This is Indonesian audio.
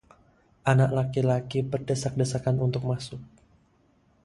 Anak-anak laki-laki berdesak-desakan untuk masuk.